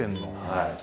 はい。